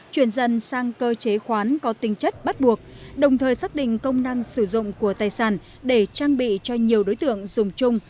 chế khoán có tinh chất bắt buộc đồng thời xác định công năng sử dụng của tài sản để trang bị cho nhiều đối tượng dùng chung